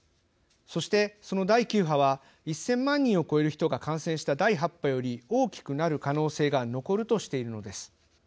そして、その第９波は１０００万人を超える人が感染した第８波より大きくなる可能性が残るとしているのです。